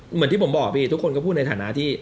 เหมือนที่ผมบอกพี่ทุกคนก็พูดในฐานะที่